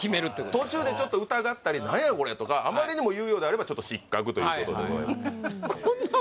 途中でちょっと疑ったり「何やろこれ」とかあまりにも言うようであればちょっと失格ということでございます